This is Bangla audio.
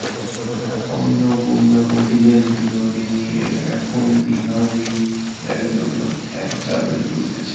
অন্নপূর্ণা কহিলেন, বিনোদিনী এখন বিহারীর জন্য চা তৈরি করিতেছে।